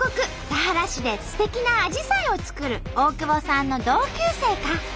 田原市ですてきなアジサイを作る大久保さんの同級生か。